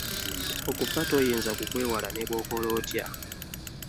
Okufa toginza kukwewala ne bw'okola otya.